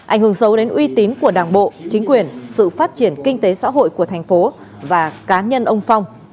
ảnh hưởng sâu đến uy tín của đảng bộ chính quyền sự phát triển kinh tế xã hội của thành phố và cá nhân ông phong